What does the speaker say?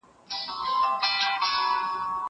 زه هره ورځ سبزېجات وچوم!